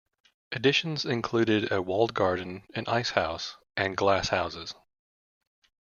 Additions included a walled garden, an ice house, and glass houses.